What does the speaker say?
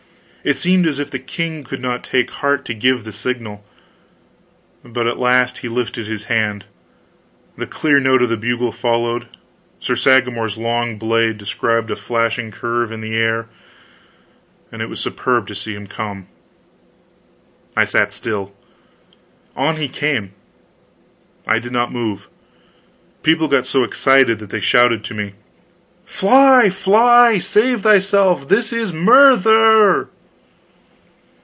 It seemed as if the king could not take heart to give the signal. But at last he lifted his hand, the clear note of the bugle followed, Sir Sagramor's long blade described a flashing curve in the air, and it was superb to see him come. I sat still. On he came. I did not move. People got so excited that they shouted to me: "Fly, fly! Save thyself! This is murther!"